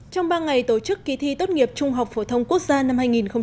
trong ba ngày tổ chức kỳ thi tốt nghiệp trung học phổ thông quốc gia năm hai nghìn hai mươi